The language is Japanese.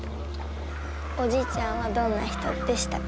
おじいちゃんはどんな人でしたか？